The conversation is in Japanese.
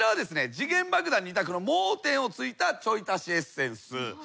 時限爆弾二択の盲点を突いたちょい足しエッセンス。